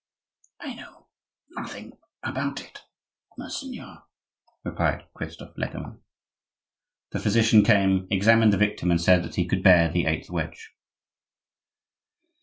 "I know nothing about it, monseigneur," replied Christophe Lecamus. The physician came, examined the victim, and said that he could bear the eighth wedge.